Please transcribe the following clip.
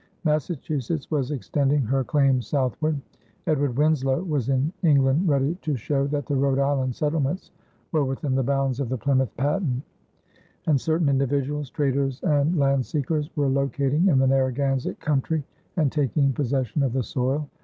Massachusetts was extending her claims southward; Edward Winslow was in England ready to show that the Rhode Island settlements were within the bounds of the Plymouth patent; and certain individuals, traders and land seekers, were locating in the Narragansett country and taking possession of the soil.